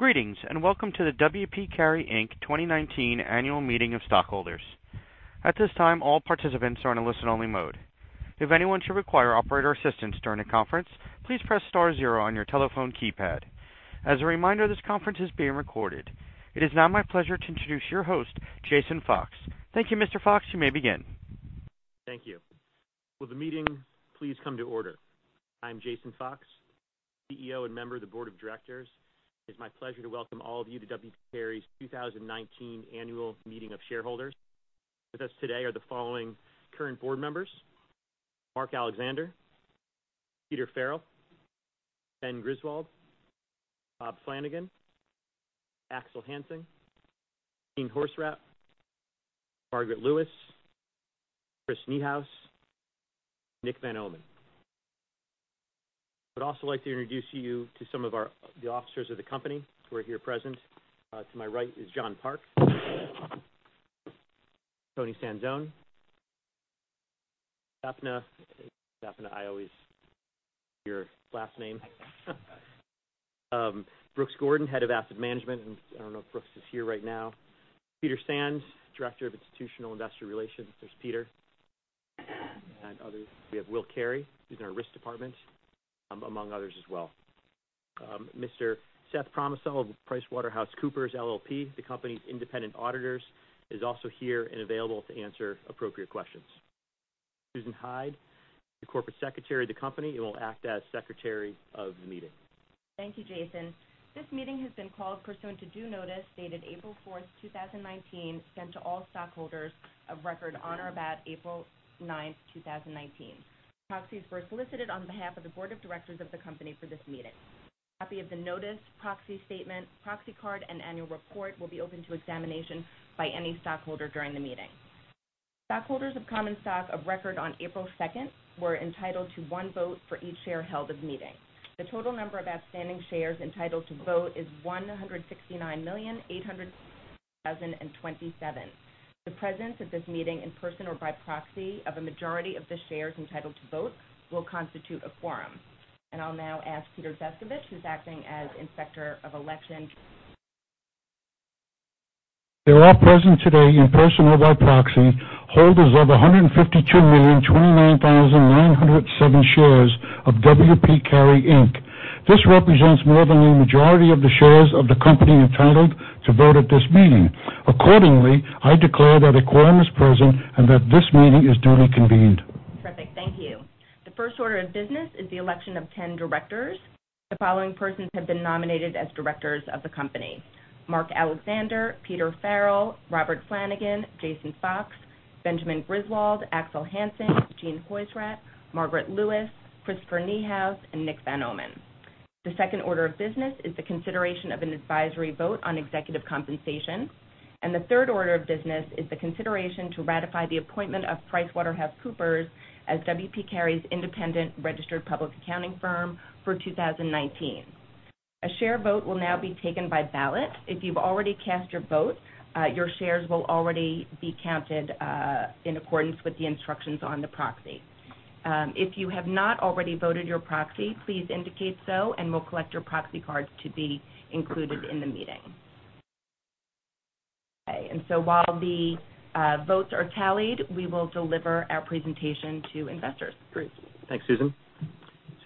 Greetings, welcome to the W. P. Carey Inc. 2019 Annual Meeting of Stockholders. At this time, all participants are in a listen-only mode. If anyone should require operator assistance during the conference, please press star zero on your telephone keypad. As a reminder, this conference is being recorded. It is now my pleasure to introduce your host, Jason Fox. Thank you, Mr. Fox. You may begin. Thank you. Will the meeting please come to order? I'm Jason Fox, CEO and member of the board of directors. It's my pleasure to welcome all of you to W. P. Carey's 2019 annual meeting of shareholders. With us today are the following current board members: Mark Alexander, Peter Farrell, Ben Griswold, Bob Flanagan, Axel Hansing, Jean Hoysradt, Margaret Lewis, Chris Niehaus, Nick Van Ommen. I'd also like to introduce you to some of the officers of the company who are here present. To my right is John Park. Tony Sanzone. Sapna. Sapna, your last name. Brooks Gordon, Head of Asset Management. I don't know if Brooks is here right now. Peter Sands, Director of Institutional Investor Relations. There's Peter. Others. We have Will Carey, who's in our risk department. Among others as well. Mr. Seth Promisel of PricewaterhouseCoopers LLP, the company's independent auditors, is also here and available to answer appropriate questions. Susan Hyde, the Corporate Secretary of the company, will act as secretary of the meeting. Thank you, Jason. This meeting has been called pursuant to due notice, dated April 4th, 2019, sent to all stockholders of record on or about April 9th, 2019. Proxies were solicited on behalf of the board of directors of the company for this meeting. Copy of the notice, proxy statement, proxy card, and annual report will be open to examination by any stockholder during the meeting. Stockholders of common stock of record on April 2nd were entitled to one vote for each share held of meeting. The total number of outstanding shares entitled to vote is 169,800,027. The presence at this meeting in person or by proxy of a majority of the shares entitled to vote will constitute a quorum. I'll now ask Peter Destevich, who's acting as Inspector of Election. There are present today, in person or by proxy, holders of 152,029,907 shares of W. P. Carey Inc. This represents more than a majority of the shares of the company entitled to vote at this meeting. Accordingly, I declare that a quorum is present and that this meeting is duly convened. Terrific. Thank you. The first order of business is the election of 10 directors. The following persons have been nominated as directors of the company: Mark Alexander, Peter Farrell, Robert Flanagan, Jason Fox, Benjamin Griswold, Axel Hansing, Jean Hoysradt, Margaret Lewis, Christopher Niehaus, and Nick Van Ommen. The second order of business is the consideration of an advisory vote on executive compensation. The third order of business is the consideration to ratify the appointment of PricewaterhouseCoopers as W. P. Carey's independent registered public accounting firm for 2019. A share vote will now be taken by ballot. If you've already cast your vote, your shares will already be counted, in accordance with the instructions on the proxy. If you have not already voted your proxy, please indicate so, and we'll collect your proxy cards to be included in the meeting. Okay. While the votes are tallied, we will deliver our presentation to investors. Great. Thanks, Susan.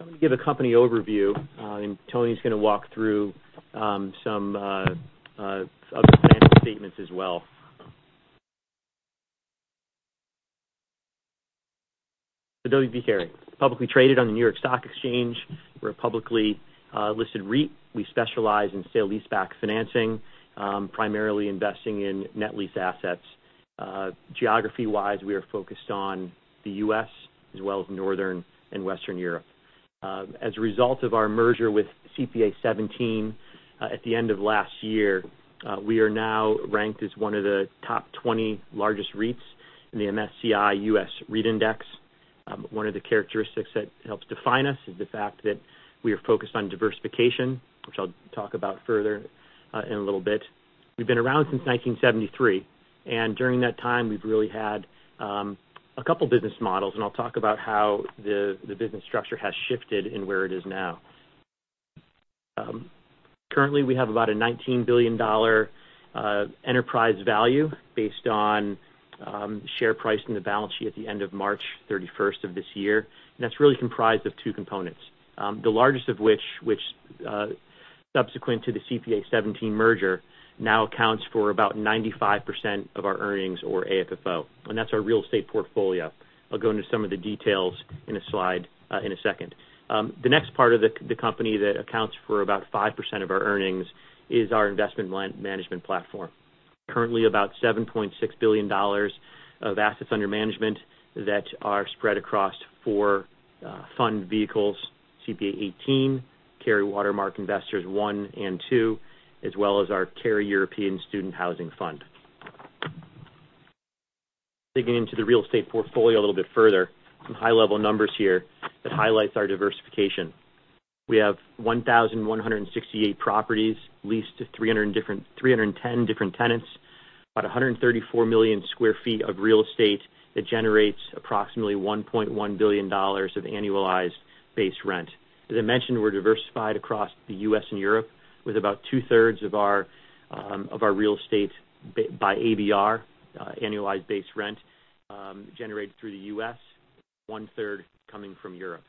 I'm going to give a company overview, Toni's going to walk through some of the financial statements as well. W. P. Carey. Publicly traded on the New York Stock Exchange. We're a publicly listed REIT. We specialize in sale leaseback financing, primarily investing in net lease assets. Geography-wise, we are focused on the U.S. as well as Northern and Western Europe. As a result of our merger with CPA 17 at the end of last year, we are now ranked as one of the top 20 largest REITs in the MSCI U.S. REIT Index. One of the characteristics that helps define us is the fact that we are focused on diversification, which I'll talk about further in a little bit. We've been around since 1973. During that time, we've really had a couple business models. I'll talk about how the business structure has shifted and where it is now. Currently, we have about a $19 billion enterprise value based on share price in the balance sheet at the end of March 31st of this year. That's really comprised of two components. The largest of which, subsequent to the CPA Seventeen merger, now accounts for about 95% of our earnings or AFFO, and that's our real estate portfolio. I'll go into some of the details in a slide in a second. The next part of the company that accounts for about 5% of our earnings is our investment management platform. Currently about $7.6 billion of assets under management that are spread across four fund vehicles, CPA 18, Carey Watermark Investors I and II, as well as our Carey European Student Housing Fund. Digging into the real estate portfolio a little bit further, some high-level numbers here that highlights our diversification. We have 1,168 properties leased to 310 different tenants, about 134 million sq ft of real estate that generates approximately $1.1 billion of annualized base rent. As I mentioned, we're diversified across the U.S. and Europe, with about two-thirds of our real estate by ABR, annualized base rent, generated through the U.S., one-third coming from Europe.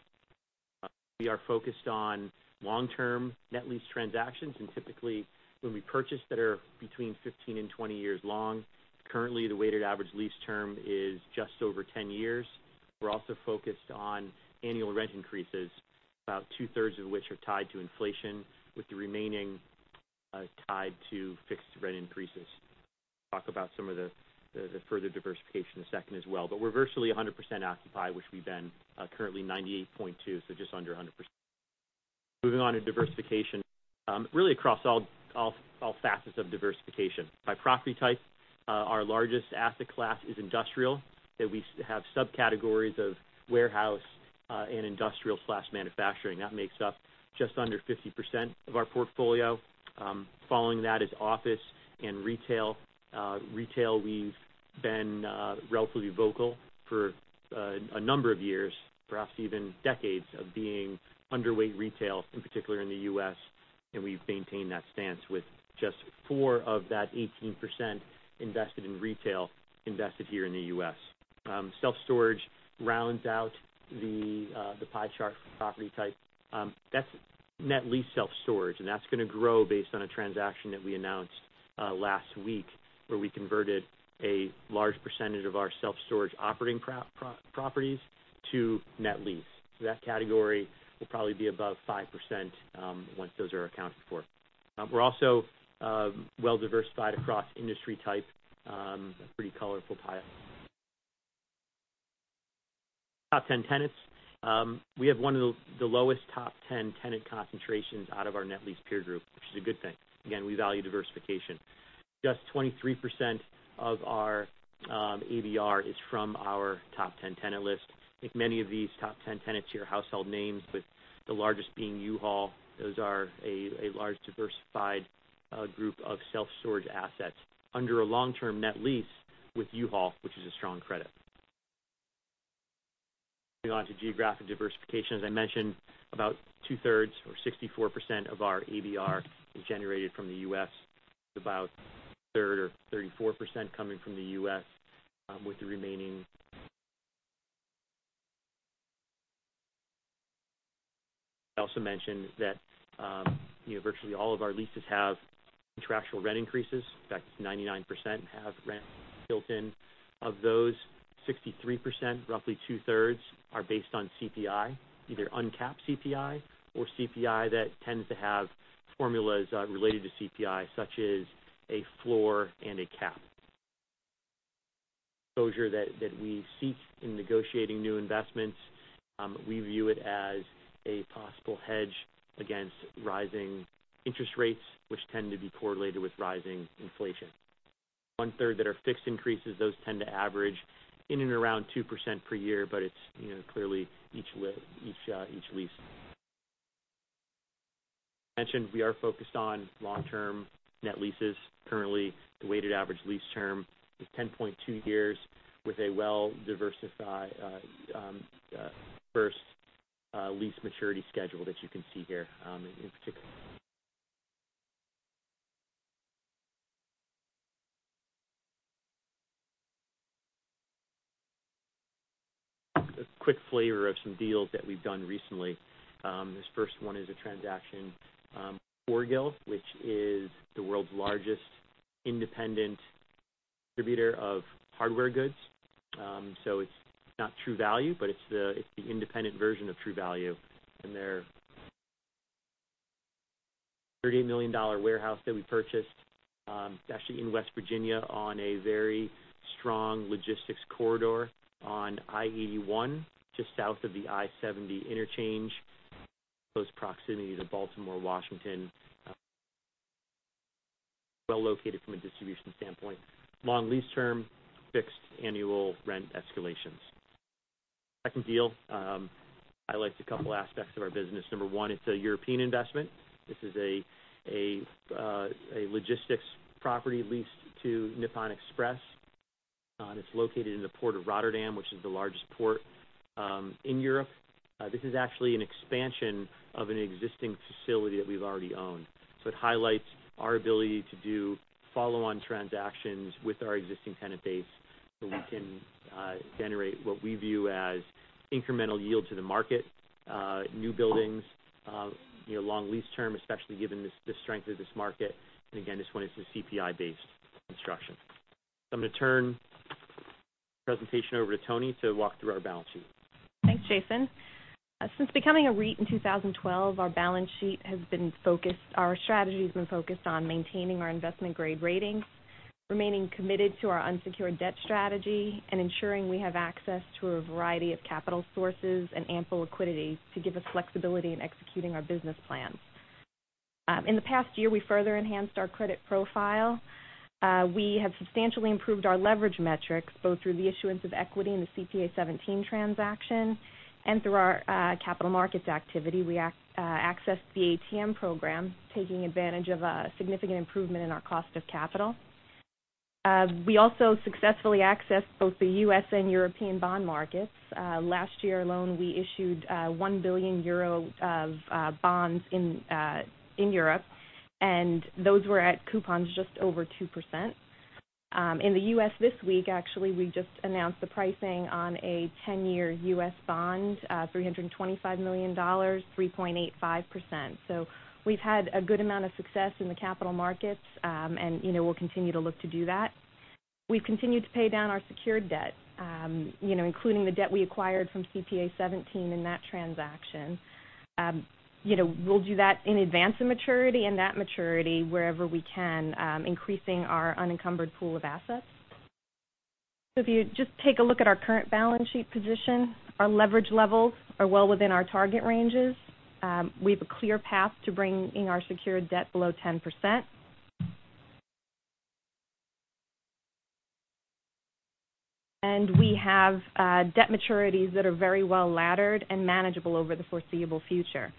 We are focused on long-term net lease transactions. Typically, when we purchase that are between 15-20 years long. Currently, the weighted average lease term is just over 10 years. We're also focused on annual rent increases, about two-thirds of which are tied to inflation, with the remaining tied to fixed rent increases. We'll talk about some of the further diversification in a second as well. We're virtually 100% occupied, which we've been currently 98.2%, so just under 100%. Moving on to diversification. It's really across all facets of diversification. By property type, our largest asset class is industrial, that we have subcategories of warehouse and industrial/manufacturing. That makes up just under 50% of our portfolio. Following that is office and retail. Retail, we've been relatively vocal for a number of years, perhaps even decades, of being underweight retail, in particular in the U.S. We've maintained that stance with just four of that 18% invested in retail, invested here in the U.S. Self-storage rounds out the pie chart for property type. That's net lease self-storage. That's going to grow based on a transaction that we announced last week, where we converted a large percentage of our self-storage operating properties to net lease. That category will probably be above 5% once those are accounted for. We're also well-diversified across industry type. A pretty colorful pie. Top 10 tenants. We have one of the lowest top 10 tenant concentrations out of our net lease peer group, which is a good thing. Again, we value diversification. Just 23% of our ABR is from our top 10 tenant list. I think many of these top 10 tenants are your household names, with the largest being U-Haul. Those are a large diversified group of self-storage assets under a long-term net lease with U-Haul, which is a strong credit. Moving on to geographic diversification. As I mentioned, about two-thirds or 64% of our ABR is generated from the U.S., with about a third or 34% coming from the U.S. I also mentioned that virtually all of our leases have contractual rent increases. In fact, 99% have rent built-in. Of those 63%, roughly two-thirds, are based on CPI, either uncapped CPI or CPI that tends to have formulas related to CPI, such as a floor and a cap. Exposure that we seek in negotiating new investments, we view it as a possible hedge against rising interest rates, which tend to be correlated with rising inflation. One-third that are fixed increases, those tend to average in and around 2% per year, but it's clearly each lease. As I mentioned, we are focused on long-term net leases. Currently, the weighted average lease term is 10.2 years, with a well-diversified first lease maturity schedule that you can see here in particular. A quick flavor of some deals that we've done recently. This first one is a transaction, Orgill, which is the world's largest independent distributor of hardware goods. It's not True Value, but it's the independent version of True Value. Their $38 million warehouse that we purchased, it's actually in West Virginia on a very strong logistics corridor on I-81, just south of the I-70 interchange, close proximity to Baltimore, Washington. Well-located from a distribution standpoint. Long lease term, fixed annual rent escalations. Second deal highlights a couple aspects of our business. Number one, it's a European investment. This is a logistics property leased to Nippon Express. It's located in the Port of Rotterdam, which is the largest port in Europe. This is actually an expansion of an existing facility that we've already owned. It highlights our ability to do follow-on transactions with our existing tenant base so we can generate what we view as incremental yield to the market, new buildings, long lease term, especially given the strength of this market. Again, this one is a CPI-based construction. I'm going to turn the presentation over to Toni to walk through our balance sheet. Thanks, Jason. Since becoming a REIT in 2012, our strategy's been focused on maintaining our investment-grade ratings, remaining committed to our unsecured debt strategy, and ensuring we have access to a variety of capital sources and ample liquidity to give us flexibility in executing our business plan. In the past year, we further enhanced our credit profile. We have substantially improved our leverage metrics, both through the issuance of equity in the CPA 17 transaction and through our capital markets activity. We accessed the ATM program, taking advantage of a significant improvement in our cost of capital. We also successfully accessed both the U.S. and European bond markets. Last year alone, we issued 1 billion euro of bonds in Europe, and those were at coupons just over 2%. In the U.S. this week, actually, we just announced the pricing on a 10-year U.S. bond, $325 million, 3.85%. We've had a good amount of success in the capital markets. We'll continue to look to do that. We've continued to pay down our secured debt, including the debt we acquired from CPA 17 in that transaction. We'll do that in advance of maturity, and that maturity wherever we can, increasing our unencumbered pool of assets. If you just take a look at our current balance sheet position, our leverage levels are well within our target ranges. We have a clear path to bringing our secured debt below 10%. We have debt maturities that are very well laddered and manageable over the foreseeable future.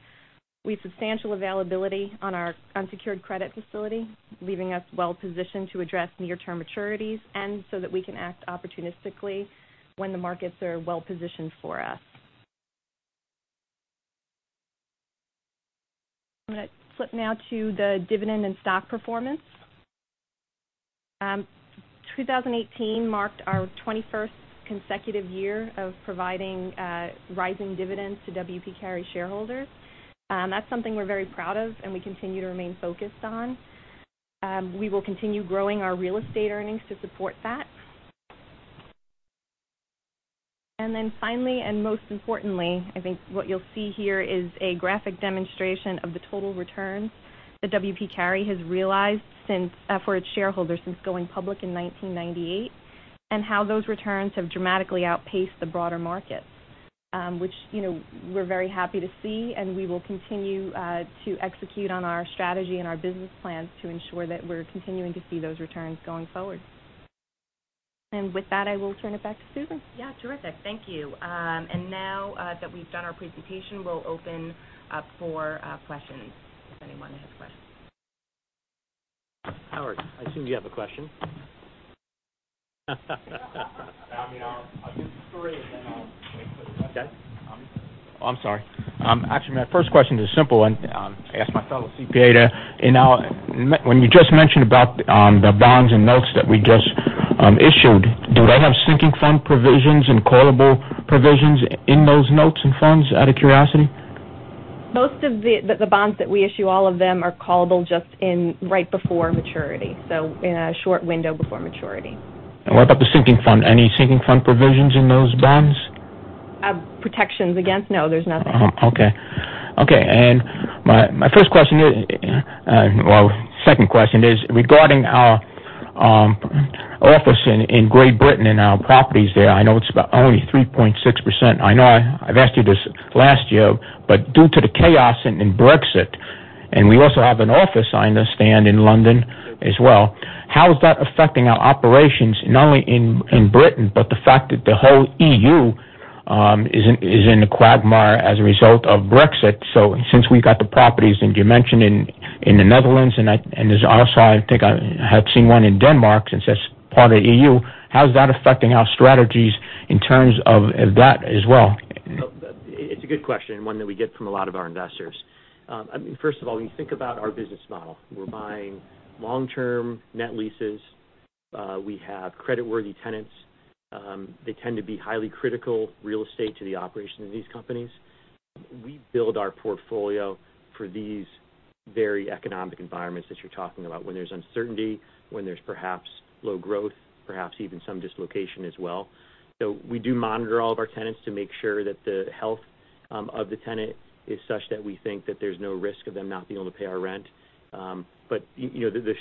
We have substantial availability on our unsecured credit facility, leaving us well positioned to address near-term maturities that we can act opportunistically when the markets are well positioned for us. I'm going to flip now to the dividend and stock performance. 2018 marked our 21st consecutive year of providing rising dividends to W. P. Carey shareholders. That's something we're very proud of and we continue to remain focused on. We will continue growing our real estate earnings to support that. Finally, most importantly, I think what you'll see here is a graphic demonstration of the total returns that W. P. Carey has realized for its shareholders since going public in 1998, how those returns have dramatically outpaced the broader market, which we're very happy to see. We will continue to execute on our strategy and our business plans to ensure that we're continuing to see those returns going forward. With that, I will turn it back to Susan. Yeah, terrific. Thank you. Now that we've done our presentation, we'll open up for questions, if anyone has questions. Howard, I assume you have a question. I'll give you three, and then I'll wait for the rest. Okay. Oh, I'm sorry. Actually, my first question is a simple one. As my fellow CPA, when you just mentioned about the bonds and notes that we just issued, do they have sinking fund provisions and callable provisions in those notes and funds, out of curiosity? Most of the bonds that we issue, all of them are callable just right before maturity, in a short window before maturity. What about the sinking fund? Any sinking fund provisions in those bonds? Protections against? No, there's nothing. Okay. My second question is regarding our office in Great Britain and our properties there. I know it's about only 3.6%. I know I've asked you this last year, but due to the chaos in Brexit, and we also have an office, I understand, in London as well, how is that affecting our operations, not only in Britain, but the fact that the whole EU is in a quagmire as a result of Brexit? Since we got the properties, and you mentioned in the Netherlands, and there's also, I think I have seen one in Denmark, since that's part of EU. How is that affecting our strategies in terms of that as well? It's a good question, one that we get from a lot of our investors. First of all, when you think about our business model, we're buying long-term net leases. We have credit-worthy tenants. They tend to be highly critical real estate to the operation of these companies. We build our portfolio for these very economic environments that you're talking about, when there's uncertainty, when there's perhaps low growth, perhaps even some dislocation as well. We do monitor all of our tenants to make sure that the health of the tenant is such that we think that there's no risk of them not being able to pay our rent.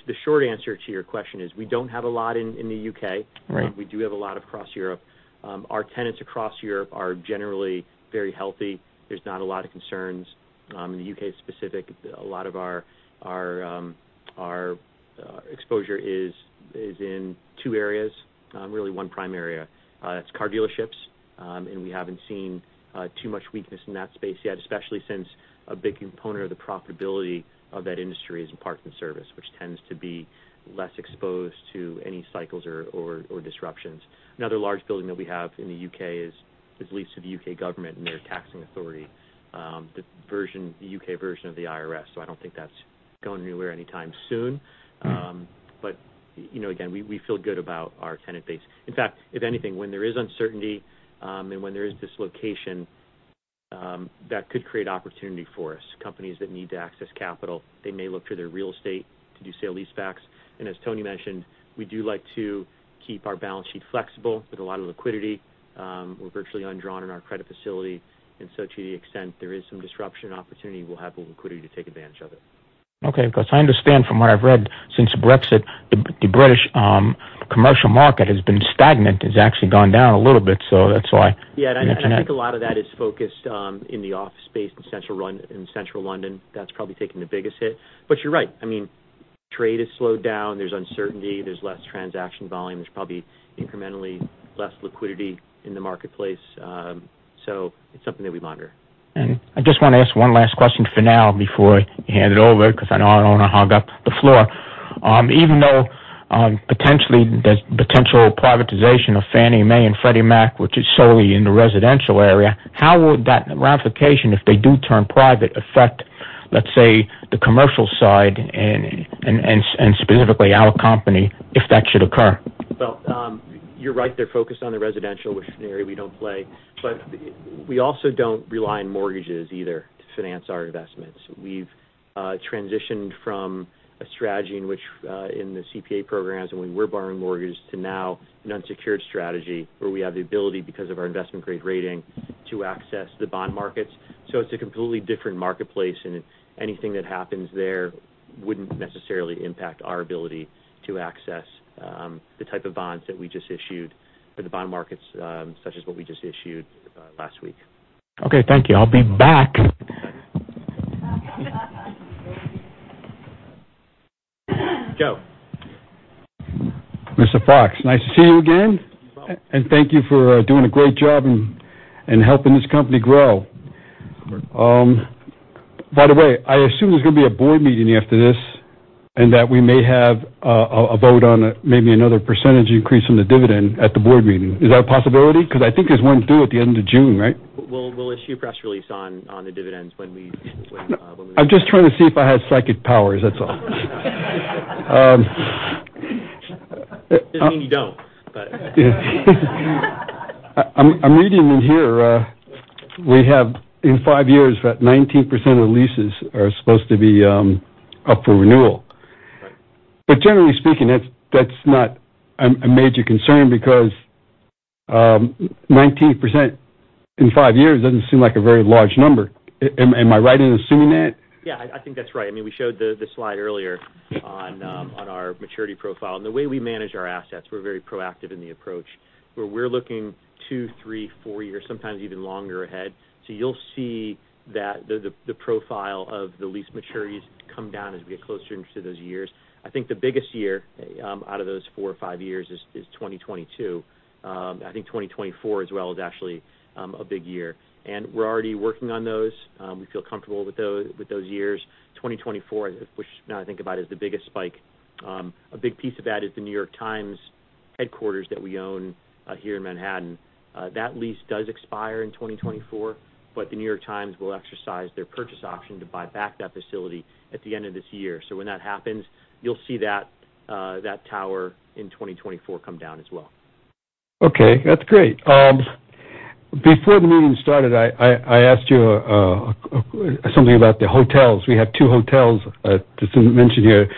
The short answer to your question is we don't have a lot in the U.K. Right. We do have a lot across Europe. Our tenants across Europe are generally very healthy. There's not a lot of concerns. In the U.K. specific, a lot of our exposure is in two areas, really one prime area. That's car dealerships, we haven't seen too much weakness in that space yet, especially since a big component of the profitability of that industry is in parts and service, which tends to be less exposed to any cycles or disruptions. Another large building that we have in the U.K. is leased to the U.K. government and their taxing authority, the U.K. version of the IRS. I don't think that's going anywhere anytime soon. We feel good about our tenant base. In fact, if anything, when there is uncertainty, when there is dislocation, that could create opportunity for us. Companies that need to access capital, they may look to their real estate to do sale leasebacks. As Toni mentioned, we do like to keep our balance sheet flexible with a lot of liquidity. We're virtually undrawn in our credit facility, to the extent there is some disruption opportunity, we'll have the liquidity to take advantage of it. Okay. I understand from what I've read, since Brexit, the British commercial market has been stagnant. It's actually gone down a little bit. That's why I mention that. Yeah. I think a lot of that is focused in the office space in Central London. That's probably taken the biggest hit. You're right. I mean, Trade has slowed down. There's uncertainty, there's less transaction volume. There's probably incrementally less liquidity in the marketplace. It's something that we monitor. I just want to ask one last question for now before I hand it over, because I know I don't want to hog up the floor. Even though potentially, there's potential privatization of Fannie Mae and Freddie Mac, which is solely in the residential area, how would that ramification, if they do turn private, affect, let's say, the commercial side and specifically our company, if that should occur? You're right, they're focused on the residential, which is an area we don't play. We also don't rely on mortgages either to finance our investments. We've transitioned from a strategy in which, in the CPA programs and when we were borrowing mortgages to now an unsecured strategy where we have the ability, because of our investment-grade rating, to access the bond markets. It's a completely different marketplace, and anything that happens there wouldn't necessarily impact our ability to access the type of bonds that we just issued or the bond markets, such as what we just issued last week. Okay, thank you. I'll be back. Joe. Mr. Fox, nice to see you again. You as well. Thank you for doing a great job and helping this company grow. Sure. By the way, I assume there's going to be a board meeting after this, and that we may have a vote on maybe another percentage increase on the dividend at the board meeting. Is that a possibility? Because I think there's one due at the end of June, right? We'll issue a press release on the dividends. I'm just trying to see if I have psychic powers, that's all. Doesn't mean you don't. I'm reading in here, we have in five years, about 19% of the leases are supposed to be up for renewal. Right. Generally speaking, that's not a major concern because 19% in five years doesn't seem like a very large number. Am I right in assuming that? Yeah, I think that's right. We showed the slide earlier on our maturity profile. The way we manage our assets, we're very proactive in the approach, where we're looking two, three, four years, sometimes even longer ahead. You'll see that the profile of the lease maturities come down as we get closer into those years. I think the biggest year out of those four or five years is 2022. I think 2024 as well is actually a big year. We're already working on those. We feel comfortable with those years. 2024, which now I think about, is the biggest spike. A big piece of that is The New York Times headquarters that we own here in Manhattan. That lease does expire in 2024. The New York Times will exercise their purchase option to buy back that facility at the end of this year. When that happens, you'll see that tower in 2024 come down as well. Okay, that's great. Before the meeting started, I asked you something about the hotels. We have two hotels that isn't mentioned here.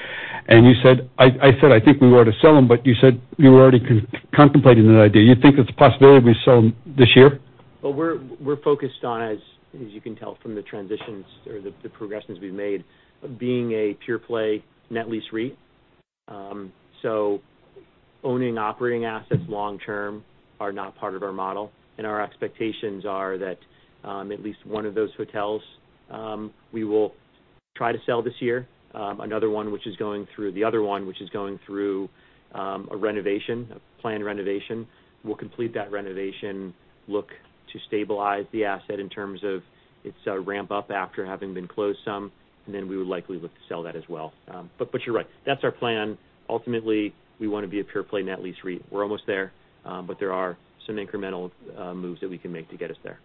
I said, "I think we ought to sell them," you said you were already contemplating that idea. You think it's a possibility we sell them this year? Well, we're focused on, as you can tell from the transitions or the progressions we've made, being a pure-play net lease REIT. Owning operating assets long-term are not part of our model, our expectations are that at least one of those hotels, we will try to sell this year. The other one, which is going through a renovation, a planned renovation. We'll complete that renovation, look to stabilize the asset in terms of its ramp-up after having been closed some, then we would likely look to sell that as well. You're right. That's our plan. Ultimately, we want to be a pure-play net lease REIT. We're almost there. There are some incremental moves that we can make to get us there.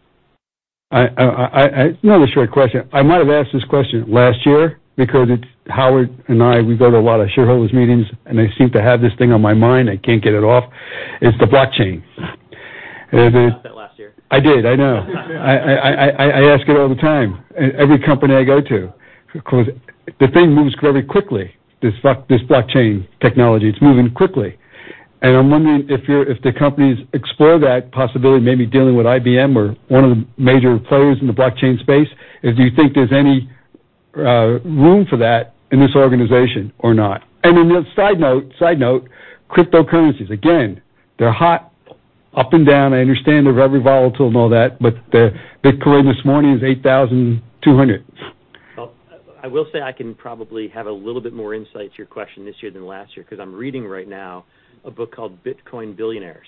Another short question. I might have asked this question last year because Howard and I, we go to a lot of shareholders' meetings, I seem to have this thing on my mind. I can't get it off. It's the blockchain. You asked that last year. I did, I know. I ask it all the time at every company I go to. The thing moves very quickly, this blockchain technology. It's moving quickly. I'm wondering if the companies explore that possibility, maybe dealing with IBM or one of the major players in the blockchain space. Do you think there's any room for that in this organization or not? Then a side note, cryptocurrencies. Again, they're hot, up and down. I understand they're very volatile and all that. Bitcoin this morning is $8,200. Well, I will say I can probably have a little bit more insight to your question this year than last year because I'm reading right now a book called "Bitcoin Billionaires.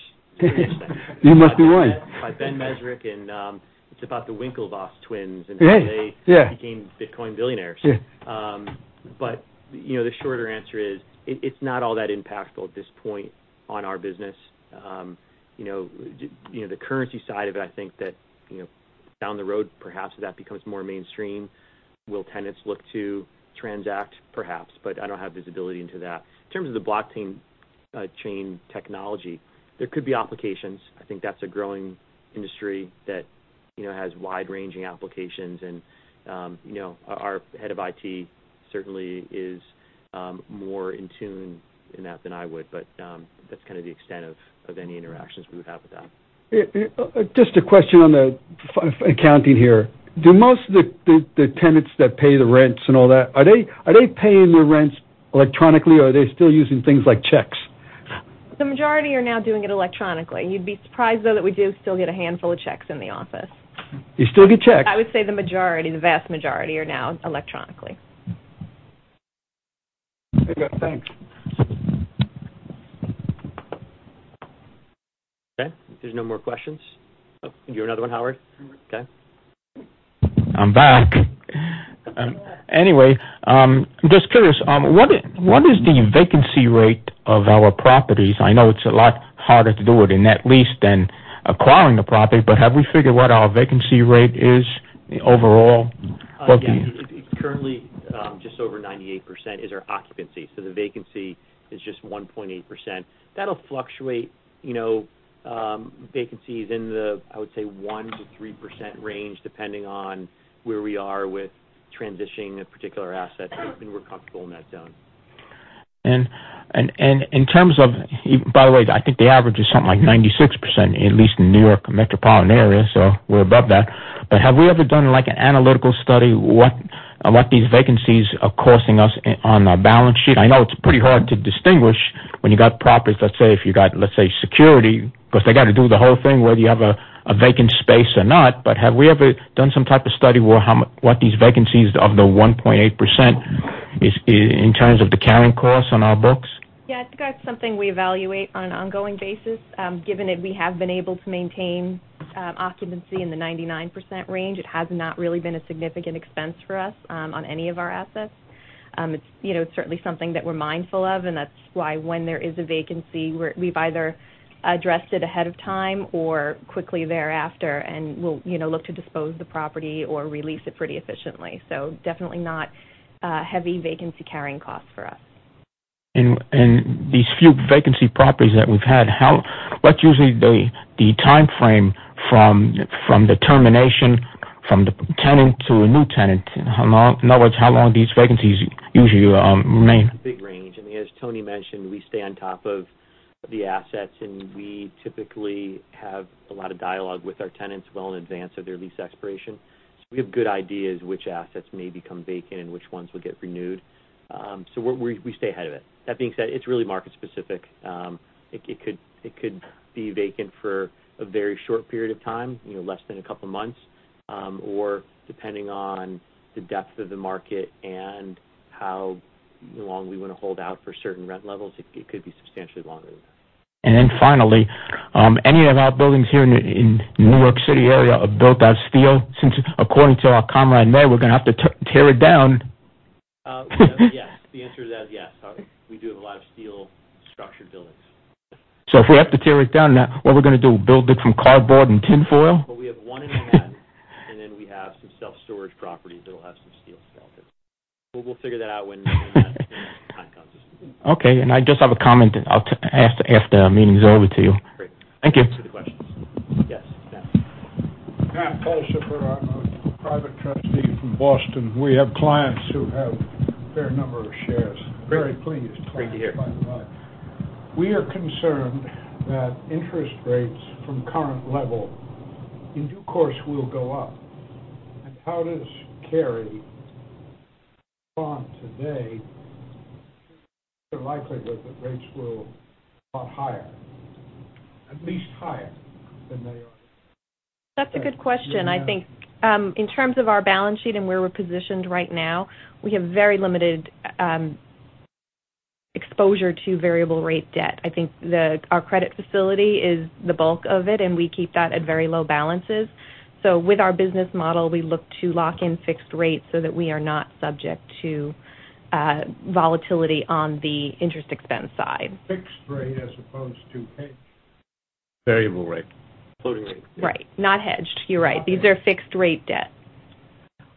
You must be one. By Ben Mezrich, it's about the Winklevoss twins. Yeah How they became Bitcoin billionaires. Yeah. The shorter answer is, it's not all that impactful at this point on our business. The currency side of it, I think that down the road, perhaps if that becomes more mainstream, will tenants look to transact? Perhaps, but I don't have visibility into that. In terms of the blockchain technology, there could be applications. I think that's a growing industry that has wide-ranging applications and our head of IT certainly is more in tune in that than I would, but that's kind of the extent of any interactions we would have with that. Just a question on the accounting here. Do most of the tenants that pay the rents and all that, are they paying their rents electronically, or are they still using things like checks? The majority are now doing it electronically. You'd be surprised though that we do still get a handful of checks in the office. You still get checks? I would say the majority, the vast majority, are now electronically. I got it. Thanks. Okay. If there's no more questions. Oh, you have another one, Howard? Okay. I'm back. I'm just curious, what is the vacancy rate of our properties? I know it's a lot harder to do it in net lease than acquiring the property, have we figured what our vacancy rate is overall? Yeah. It's currently just over 98% is our occupancy. The vacancy is just 1.8%. That'll fluctuate. Vacancy is in the, I would say, 1%-3% range, depending on where we are with transitioning a particular asset. We're comfortable in that zone. In terms of By the way, I think the average is something like 96%, at least in New York metropolitan area, so we're above that. Have we ever done an analytical study, what these vacancies are costing us on our balance sheet? I know it's pretty hard to distinguish when you got properties, let's say, if you got security, because they got to do the whole thing whether you have a vacant space or not. Have we ever done some type of study what these vacancies of the 1.8% is in terms of the carrying cost on our books? I think that's something we evaluate on an ongoing basis. Given that we have been able to maintain occupancy in the 99% range, it has not really been a significant expense for us on any of our assets. It's certainly something that we're mindful of, and that's why when there is a vacancy, we've either addressed it ahead of time or quickly thereafter, and we'll look to dispose the property or re-lease it pretty efficiently. Definitely not a heavy vacancy carrying cost for us. These few vacancy properties that we've had, what's usually the timeframe from the termination from the tenant to a new tenant? In other words, how long these vacancies usually remain? Big range. I mean, as Toni mentioned, we stay on top of the assets, and we typically have a lot of dialogue with our tenants well in advance of their lease expiration. We have good ideas which assets may become vacant and which ones will get renewed. We stay ahead of it. That being said, it's really market specific. It could be vacant for a very short period of time, less than a couple of months. Depending on the depth of the market and how long we want to hold out for certain rent levels, it could be substantially longer than that. Finally, any of our buildings here in New York City area are built out of steel, since according to our comrade mayor, we're going to have to tear it down? Yes. The answer to that is yes. We do have a lot of steel-structured buildings. If we have to tear it down, what we're going to do, build it from cardboard and tinfoil? We have one in Manhattan, we have some self-storage properties that'll have some steel skeleton. We'll figure that out when that time comes. Okay, I just have a comment after the meeting's over to you. Great. Thank you. For the questions. Yes. Matt Paulshipper. I'm a private trustee from Boston. We have clients who have a fair number of shares. Great. Very pleased. Great to hear. We are concerned that interest rates from current level in due course will go up, how does Carey respond today to the likelihood that rates will go up higher, at least higher than they are? That's a good question. I think in terms of our balance sheet and where we're positioned right now, we have very limited exposure to variable rate debt. I think our credit facility is the bulk of it, and we keep that at very low balances. With our business model, we look to lock in fixed rates so that we are not subject to volatility on the interest expense side. Fixed rate as opposed to hedged. Variable rate. Floating rate. Right. Not hedged. You're right. These are fixed rate debt.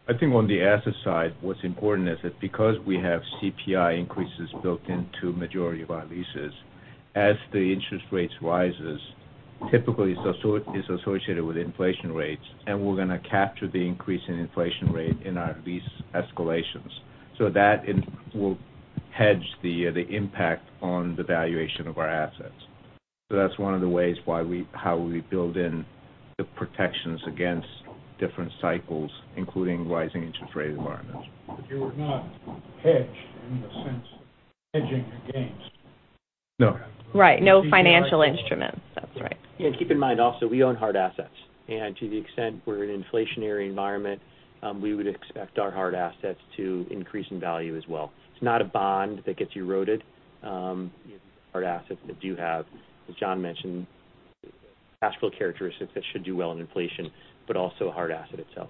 I think on the asset side, what's important is that because we have CPI increases built into majority of our leases, as the interest rates rises, typically it's associated with inflation rates, and we're going to capture the increase in inflation rate in our lease escalations. That will hedge the impact on the valuation of our assets. That's one of the ways how we build in the protections against different cycles, including rising interest rate environments. You would not hedge in the sense of hedging your gains. No. Right. No financial instruments. That's right. Keep in mind also, we own hard assets. To the extent we're in an inflationary environment, we would expect our hard assets to increase in value as well. It's not a bond that gets eroded. These are hard assets that do have, as John mentioned, cash flow characteristics that should do well in inflation, but also a hard asset itself.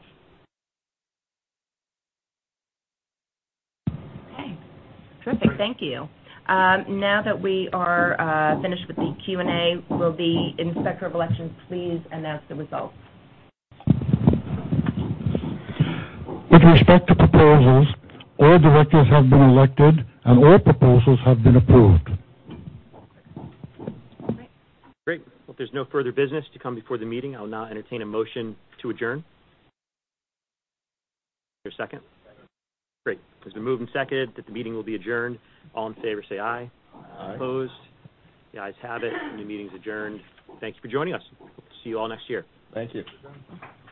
Okay. Terrific. Thank you. Now that we are finished with the Q&A, will the inspector of elections please announce the results? With respect to proposals, all directors have been elected, and all proposals have been approved. All right. Great. If there's no further business to come before the meeting, I'll now entertain a motion to adjourn. Is there a second? Second. Great. There's been a move and second that the meeting will be adjourned. All in favor say aye. Aye. Opposed? The ayes have it. The meeting's adjourned. Thanks for joining us. See you all next year. Thank you. Thanks.